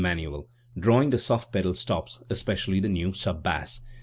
303 manual, drawing the soft pedal stops, especially the new sub bass.